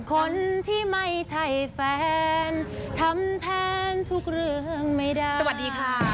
คนที่ไม่ใช่แฟนทำแทนทุกเรื่องไม่ได้